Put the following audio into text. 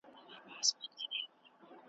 یا به دی پخپله غل وي یا یې پلار خلک شکولي .